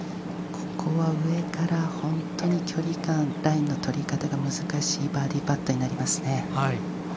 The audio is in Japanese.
ここは上から本当に距離感ライの取り方が難しいバーディーパットになりますね。